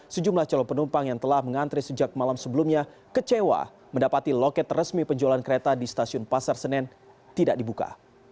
sejumlah calon penumpang yang telah mengantre sejak malam sebelumnya kecewa mendapati loket resmi penjualan kereta di stasiun pasar senen tidak dibuka